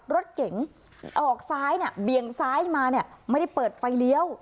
รถเก๋งออกซ้ายเนี่ยเบี่ยงซ้ายมาเนี่ยไม่ได้เปิดไฟเลี้ยว